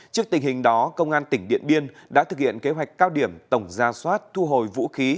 trước tình hình đó công an tỉnh điện biên đã thực hiện kế hoạch cao điểm tổng ra soát thu hồi vũ khí